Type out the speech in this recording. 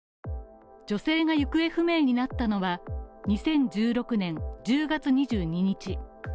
女性が行方不明になったのは２０１６年１０月２２日。